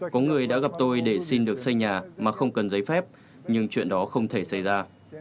có người đã gặp tôi để xin được xây nhà mà không cần giấy phép nhưng chuyện đó không thể xảy ra